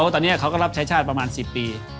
ตอนนี้เขาก็รับใช้ชาติประมาณ๑๐ปี